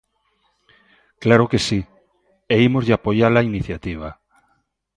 ¡Claro que si!, e ímoslle apoiar a iniciativa.